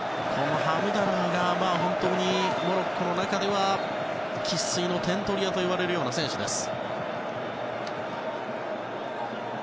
ハムダラーが本当にモロッコの中では生粋の点取り屋といわれるような選手です。